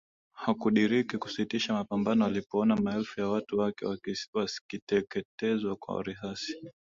Hakudiriki kusitisha mapambano alipoona maelfu ya watu wake wakiteketezwa kwa risasi